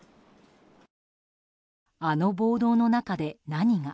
あの暴動の中で、何が。